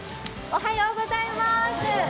おはようございます。